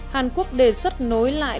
hàn quốc đề xuất nối lại